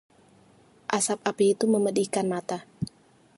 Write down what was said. asap api itu memedihkan mata